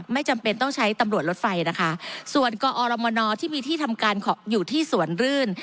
ไม่จำเป็นต้องใช้ตำรวจรถไฟนะคะส่วนกอรมนที่มีที่ทำการอยู่ที่สวนรื่น